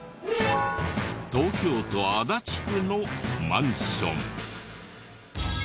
東京都足立区のマンション。